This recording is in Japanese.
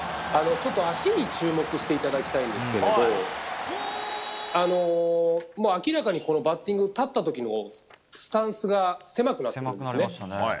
足に注目をしていただきたいんですけども明らかにバッティング立った時のスタンスが狭くなっているんですね。